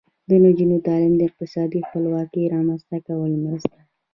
د نجونو تعلیم د اقتصادي خپلواکۍ رامنځته کولو مرسته ده.